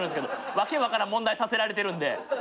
訳分からん問題させられてるんで。